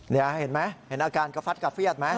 นี่เห็นไหมเห็นอาการกระฟัดกระเฟียดไหม